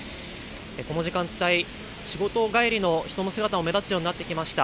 この時間帯は仕事帰りの人の姿も目立つようになってきました。